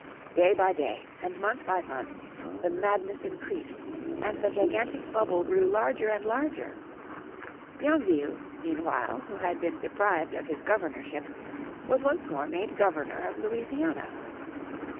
Day by day, and month by month, the madness increased, and the gigantic bubble grew larger and larger. Bienville, meanwhile, who had been deprived of his governorship, was once more made Governor of Louisiana.